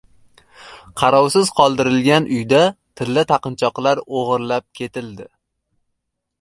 Qarovsiz qoldirilgan uydan tilla taqinchoqlar o‘g‘irlab ketildi